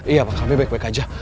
iya pak kami baik baik aja